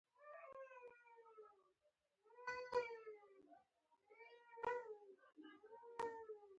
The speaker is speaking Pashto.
چې زه په سیند کې غرق شوی یم.